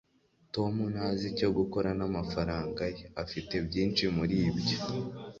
tom ntazi icyo gukora namafaranga ye. afite byinshi muri byo